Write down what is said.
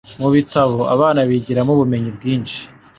mu bitabo abana bigiramo ubumenyi bwinshi